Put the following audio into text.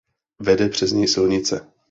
Vede přes něj silnice.